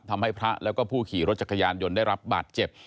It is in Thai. ทำให้พระแล้วก็ผู้ขี่รถจักรยานยนต์ได้รับบาดเจ็บ